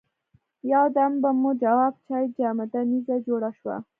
یو دم به مو جواب چای جامده نيزه جوړه شوه.